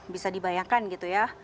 bisa dibayangkan gitu ya